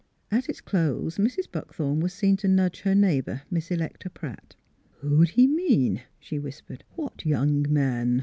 At its close Mrs. Buckthorn was seen to nudge her neighbor, Miss Electa Pratt: "Who'd he mean?" she whispered: "what young man?